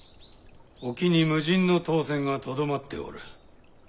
沖に無人の唐船がとどまっておる。